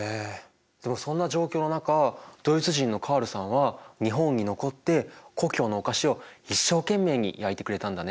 でもそんな状況の中ドイツ人のカールさんは日本に残って故郷のお菓子を一生懸命に焼いてくれたんだね。